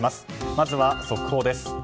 まずは速報です。